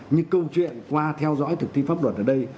nhưng câu chuyện qua theo dõi thực thi pháp luật ở đây